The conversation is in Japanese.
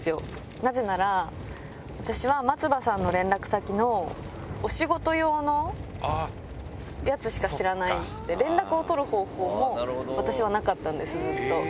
なぜなら、私は松葉さんの連絡先のお仕事用のやつしか知らないんで、連絡を取る方法も私はなかったんです、ずっと。